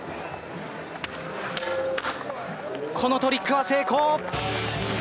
このトリックは成功！